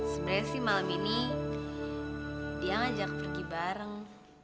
sebenarnya sih malam ini dia ngajak pergi bareng